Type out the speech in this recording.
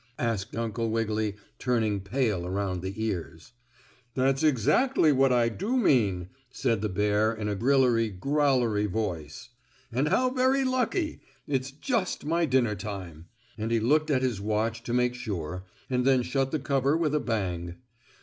asked Uncle Wiggily, turning pale around the ears. "That's exactly what I do mean," said the bear in a grillery growlery voice. "And how very lucky! It's just my dinner time," and he looked at his watch to make sure, and then shut the cover with a bang.